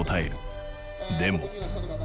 でも。